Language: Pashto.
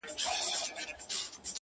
د هغې خوله شونډي پېزوان او زنـي